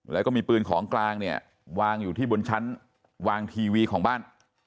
แล้วก็มีปืนของกลางเนี่ยวางอยู่ที่บนชั้นวางทีวีของบ้าน